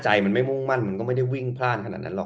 ใช่ครับผม